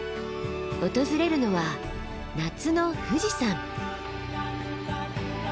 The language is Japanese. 訪れるのは夏の富士山。